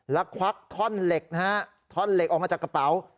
แล้วควักท่อนเหล็กนะฮะท่อนเหล็กออกมาจากกระเป๋า